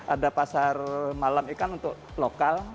ada pasar malam ikan untuk lokal